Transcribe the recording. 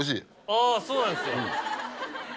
あぁそうなんですよ。